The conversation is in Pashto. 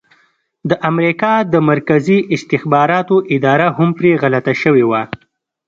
د امریکا د مرکزي استخباراتو اداره هم پرې غلطه شوې وه.